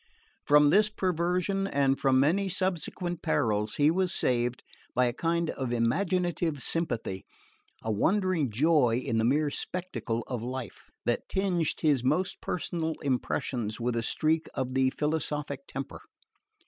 From this perversion, and from many subsequent perils he was saved by a kind of imaginative sympathy, a wondering joy in the mere spectacle of life, that tinged his most personal impressions with a streak of the philosophic temper.